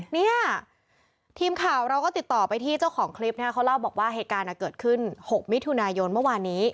เนี่ยทีมข่าวเราก็ติดต่อไปที่เจ้าของคลิปนะครับเขาเล่าบอกว่าเหตุการณ์เกิดขึ้น๖มิถุนายนเมื่อวานนี้